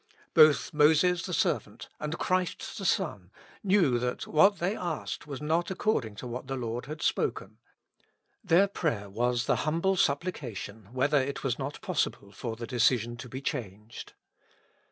Both Moses the servant and Christ the Son knew that what they asked was not according to what the Lord had spoken ; their prayer was the humble supplication whether it was not pos sible for the decision to be changed.